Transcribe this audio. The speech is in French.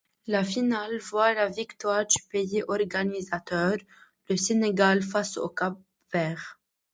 La finale voit la victoire du pays organisateur, le Sénégal face au Cap-Vert.